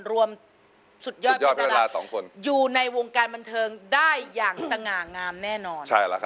รวมสุดยอดเวลาอยู่ในวงการบรรเทิงได้อย่างสง่างามแน่นอน